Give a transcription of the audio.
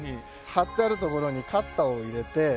張ってあるところにカッターを入れて。